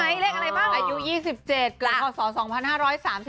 มาเรียกว่าครับ